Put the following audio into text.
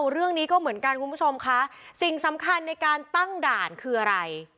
เรื่องนี้ก็เหมือนกันคุณผู้ชมค่ะสิ่งสำคัญในการตั้งด่านคืออะไร